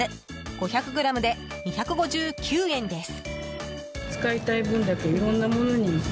５００ｇで２５９円です。